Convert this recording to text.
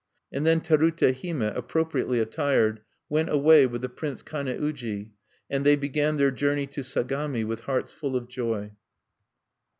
And then Terute Hime, appropriately attired, went away with the Prince Kane uji; and, they began their journey to Sagami with hearts full of joy.